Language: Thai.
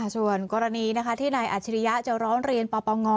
ส่วนกรณีที่นายอัจฉริยะจะร้องเรียนปปง